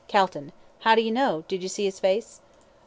CALTON: How do you know? Did you see his face?